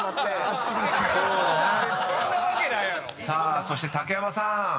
［さあそして竹山さん］